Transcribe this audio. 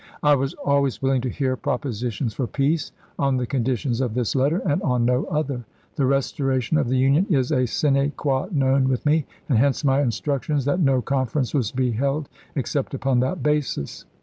I was always willing to hear propositions for peace on the conditions of this letter, and on no other. The restoration of the Union is a sine qua non with me, and hence my instructions that no conference was to be held except upon that basis."